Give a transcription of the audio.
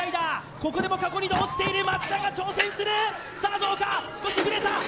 ここでも過去２度落ちている松田が挑戦する！